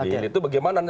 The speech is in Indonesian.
dihilir itu bagaimana